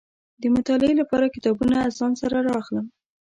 د مطالعې لپاره کتابونه ځان سره را اخلم.